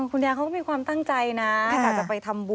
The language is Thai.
คุณยาเขาก็มีความตั้งใจนะ